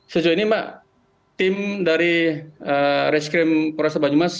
sejauh ini mbak tim dari reskrim proses banjuma